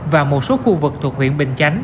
và một số khu vực thuộc huyện bình chánh